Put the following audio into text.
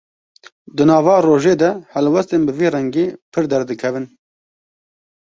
Di nava rojê de helwestên bi vî rengî pir derdikevin.